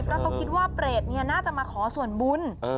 เพราะเขาคิดว่าเปรตน่าจะมาขอส่วนบุญ